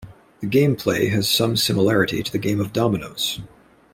The game play has some similarity to the game of dominoes.